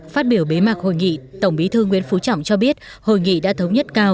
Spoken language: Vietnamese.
phát biểu bế mạc hội nghị tổng bí thư nguyễn phú trọng cho biết hội nghị đã thống nhất cao